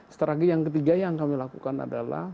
strategi yang ketiga yang kami lakukan adalah